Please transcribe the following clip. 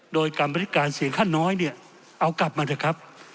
โดยกรรมบริการเสียงขั้นน้อยเนี่ยเอากลับมาเถอะครับ